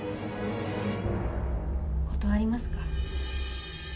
断りますか？